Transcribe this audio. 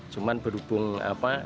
cuman berhubung apa